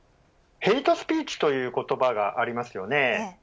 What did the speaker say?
ヘイトスピーチという言葉がありますよね。